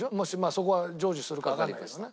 そこは成就するかわかんないけどね。